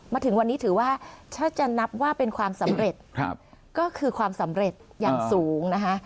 มาถึงวันนี้ถือว่าถ้าจะนับว่าเป็นความสำเร็จก็คือความสำเร็จอย่างสูงนะคะ